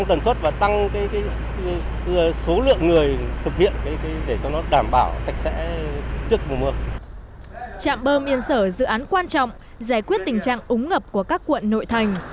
trạm bơm yên sở dự án quan trọng giải quyết tình trạng úng ngập của các quận nội thành